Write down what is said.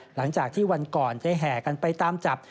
หลังจากที่วันก่อนได้แห่กันไปตามจับ